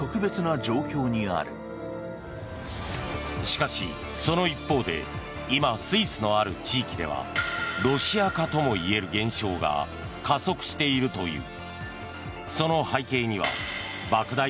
しかし、その一方で今、スイスのある地域ではロシア化ともいえる現象が加速しているという。